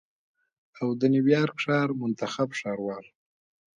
او د نیویارک ښار منتخب ښاروال